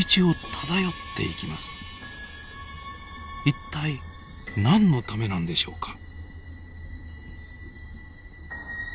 一体何のためなんでしょうか？